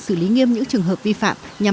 xử lý nghiêm những trường hợp vi phạm nhằm